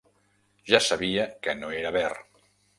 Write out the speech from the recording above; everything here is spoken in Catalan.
Ja sabia que no era ver.